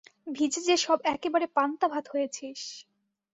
ভিজে যে সব একেবারে পান্তা ভাত হয়েছিস!